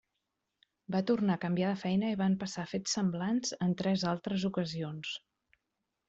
Va tornar a canviar de feina, i van passar fets semblants en tres altres ocasions.